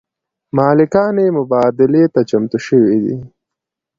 مالکان یې مبادلې ته چمتو شوي دي.